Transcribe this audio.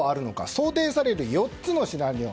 想定される４つのシナリオ。